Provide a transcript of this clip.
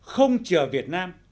không chờ việt nam